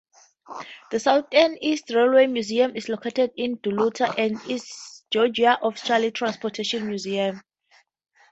The Southeastern Railway Museum is located in Duluth, and is Georgia's official transportation museum.